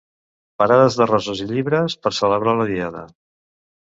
Parades de roses i llibres per celebrar la diada.